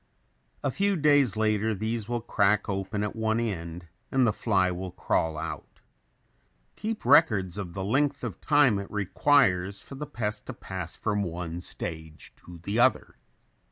A few days later these will crack open at one end and the fly will crawl out. Keep records of the length of time it requires for the pest to pass from one stage to the other.